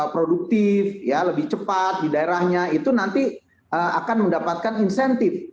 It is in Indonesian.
produktif ya lebih cepat di daerahnya itu nanti akan mendapatkan insentif